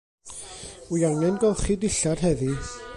Wi angen golchi dillad heddi.